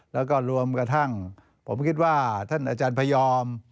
แล้วก็รวมกระทั่งผมคิดว่าท่านอาจารย์พยอม